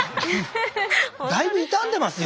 だいぶ傷んでますよ